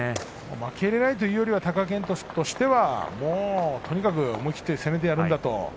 負けられないというよりは貴健斗としてはとにかく思い切って攻めてやるんだと。